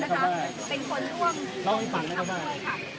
เล่าให้กันให้เข้าบ้าน